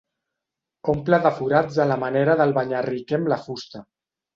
Omple de forats a la manera del banyarriquer amb la fusta.